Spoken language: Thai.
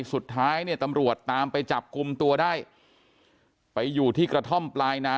สุดท้ายเนี่ยตำรวจตามไปจับกลุ่มตัวได้ไปอยู่ที่กระท่อมปลายนา